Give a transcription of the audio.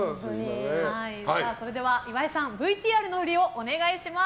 それでは岩井さんＶＴＲの振りをお願いします。